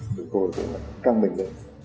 chúng tôi cũng căng bình lên